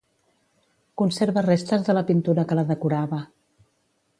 Conserva restes de la pintura que la decorava.